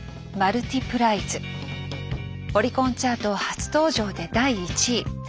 オリコンチャート初登場で第１位。